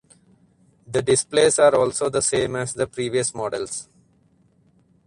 The displays are also the same as the previous models.